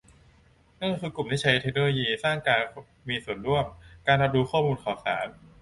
นั่นคือกลุ่มที่ใช้เทคโนโลยีสร้างการมีส่วนร่วม การรับรู้ข้อมูลข่าวสาร